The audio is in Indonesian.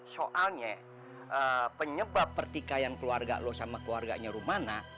soalnya penyebab pertikaian keluarga lo sama keluarganya rumana